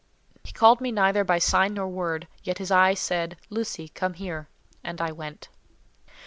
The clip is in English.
He called me neither by sign nor word; yet his eye said:—"Lucy, come here." And I went.